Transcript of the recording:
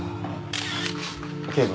警部。